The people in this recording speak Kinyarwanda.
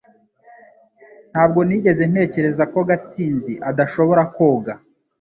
Ntabwo nigeze ntekereza ko Gatsinzi adashobora koga